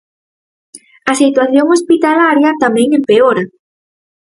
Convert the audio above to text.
A situación hospitalaria tamén empeora.